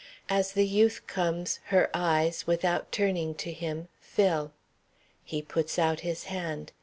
As the youth comes her eyes, without turning to him, fill. He puts out his hand.